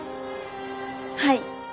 はい。